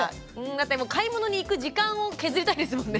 買い物に行く時間を削りたいですもんね。